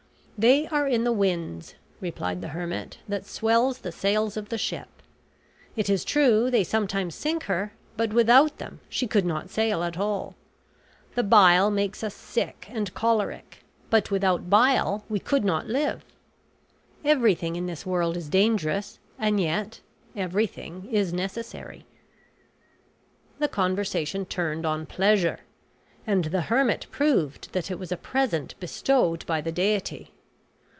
"They are in the winds," replied the hermit, "that swell the sails of the ship; it is true, they sometimes sink her, but without them she could not sail at all. The bile makes us sick and choleric; but without bile we could not live. Everything in this world is dangerous, and yet everything is necessary." The conversation turned on pleasure; and the hermit proved that it was a present bestowed by the deity.